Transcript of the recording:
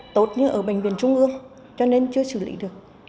tốt như ở bệnh viện trung ương cho nên chưa xử lý được